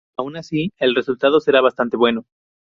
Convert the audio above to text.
Aun así, el resultado será bastante bueno.